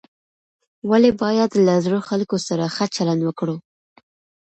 ولې باید له زړو خلکو سره ښه چلند وکړو؟